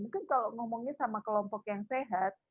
mungkin kalau ngomongnya sama kelompok yang sehat